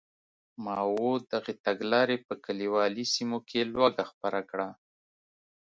ماوو دغې تګلارې په کلیوالي سیمو کې لوږه خپره کړه.